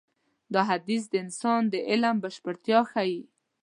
دا حديث د انسان د علم بشپړتيا ښيي.